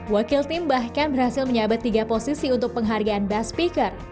wakil tim bahkan berhasil menyabet tiga posisi untuk penghargaan best speaker